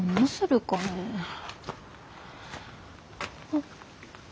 あっ。